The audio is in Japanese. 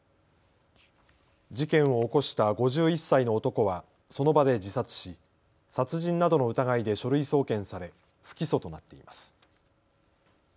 事件を起こした５１歳の男はその場で自殺し殺人などの疑いで書類送検され不起訴となっています。